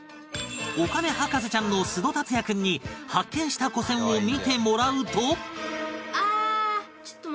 お金博士ちゃんの須戸達哉君に発見した古銭を見てもらうと